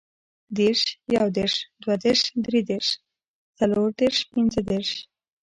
دېرش, یودېرش, دودېرش, دریدېرش, څلوردېرش, پنځهدېرش